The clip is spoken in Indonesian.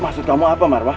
maksud kamu apa marwah